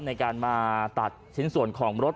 ในการมาตัดชิ้นส่วนของรถ